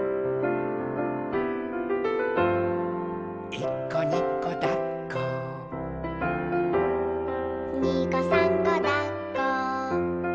「いっこにこだっこ」「にこさんこだっこ」